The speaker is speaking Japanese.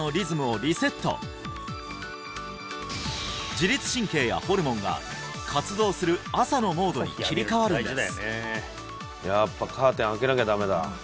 自律神経やホルモンが活動する朝のモードに切り替わるんです